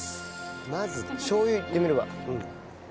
まずしょう油いってみるわ。